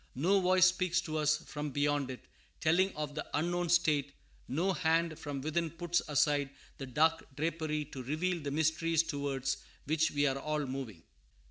No voice speaks to us from beyond it, telling of the unknown state; no hand from within puts aside the dark drapery to reveal the mysteries towards which we are all moving.